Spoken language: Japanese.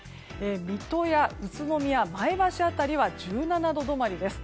水戸や宇都宮、前橋辺りは１７度止まりです。